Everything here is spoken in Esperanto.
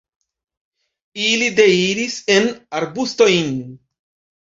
Ili deiris en arbustojn.